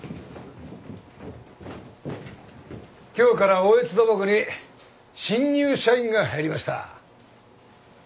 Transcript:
今日から大悦土木に新入社員が入りました。